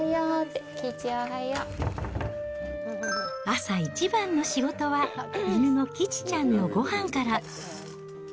朝一番の仕事は、犬のキチちゃんのごはんから。